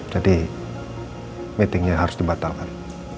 jadi meetingnya harus dibatalkan